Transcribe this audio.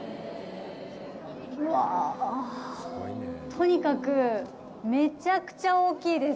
とにかく、めちゃくちゃ大きいです。